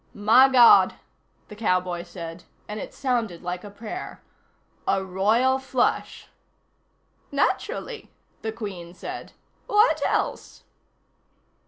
"My God," the cowboy said, and it sounded like a prayer. "A royal flush." "Naturally," the Queen said. "What else?"